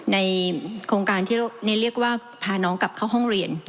ในโครงการที่เรียกว่าพาน้องกลับเข้าห้องเรียน